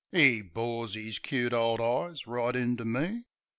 'E bores 'is cute ole eyes right into me.